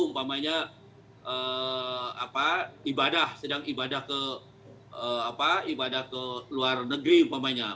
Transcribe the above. umpamanya ibadah sedang ibadah ke ibadah ke luar negeri umpamanya